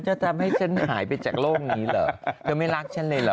จะทำให้ฉันหายไปจากโลกนี้เหรอเธอไม่รักฉันเลยเหรอ